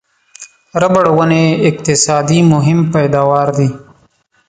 ربړ ونې یې اقتصادي مهم پیداوا دي.